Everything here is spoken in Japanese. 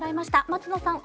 松野さん